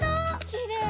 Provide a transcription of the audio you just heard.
きれい！